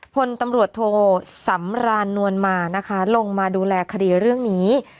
พลตำรวจโทสำรานนวลมานะคะลงมาดูแลคดีเรื่องนี้